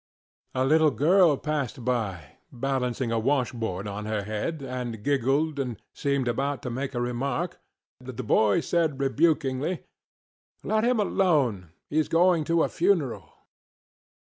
A little girl passed by, balancing a wash board on her head, and giggled, and seemed about to make a remark, but the boy said, rebukingly, ŌĆ£Let him alone, heŌĆÖs going to a funeral.